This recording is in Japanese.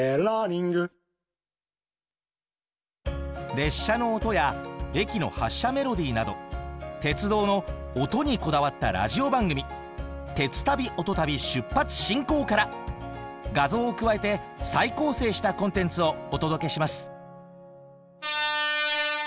列車の音や駅の発車メロディーなど「鉄道の音」にこだわったラジオ番組「鉄旅・音旅出発進行！」から画像を加えて再構成したコンテンツをお届けします